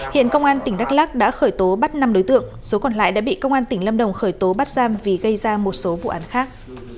hiện công an tỉnh đắk lắc đã khởi tố bắt năm đối tượng số còn lại đã bị công an tỉnh lâm đồng khởi tố bắt giam vì gây ra một số vụ án khác